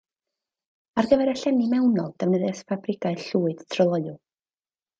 Ar gyfer y llenni mewnol, defnyddiais ffabrigau llwyd tryloyw